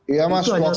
itu ada satu mas